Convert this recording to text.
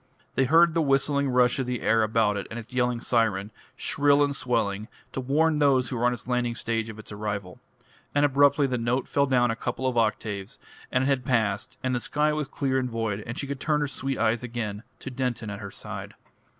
They heard the whistling rush of the air about it and its yelling siren, shrill and swelling, to warn those who were on its landing stage of its arrival. And abruptly the note fell down a couple of octaves, and it had passed, and the sky was clear and void, and she could turn her sweet eyes again to Denton at her side.